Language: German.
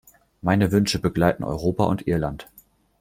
Meine Wünsche begleiten Europa und Irland.